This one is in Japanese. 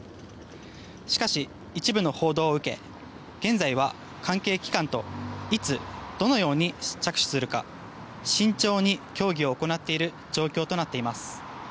しかし一部の報道を受け現在は関係機関といつ、どのように着手するか慎重に協議を行っている状況となっています。